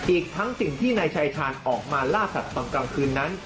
อีกทั้งสิ่งที่นายชายชาญออกมาล่าสัตว์ตอนกลางคืนนั้น